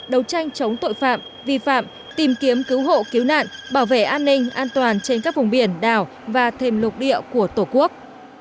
đấu tranh chống tội phạm vi phạm tìm kiếm cứu hộ cứu nạn bảo vệ an ninh an toàn trên các vùng biển đảo và thêm lục địa của tổ quốc